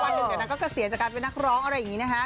วันหนึ่งแบบนั้นก็เกษียณจากการเป็นนักร้องอะไรอย่างนี้นะคะ